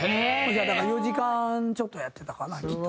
だから４時間ちょっとやってたかなきっと。